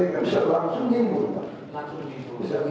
kemudian izin belasan